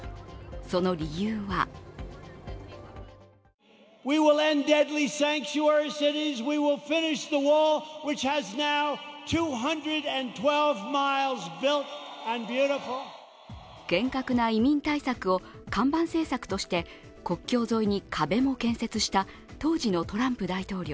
その理由は厳格な移民対策を看板政策として国境沿いに壁も建設した当時のトランプ大統領。